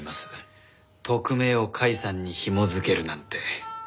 特命を甲斐さんにひも付けるなんて。